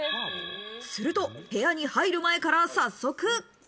すると部屋に入る前から早速。